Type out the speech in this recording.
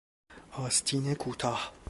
آستین کوتاه